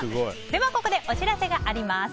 ここでお知らせがあります。